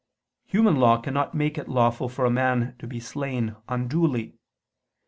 Human law cannot make it lawful for a man to be slain unduly.